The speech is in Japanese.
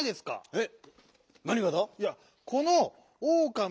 えっ⁉